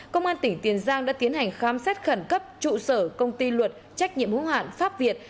công an tỉnh tiền giang đã tiến hành khám xét khẩn cấp trụ sở công ty luật trách nhiệm hữu hạn pháp việt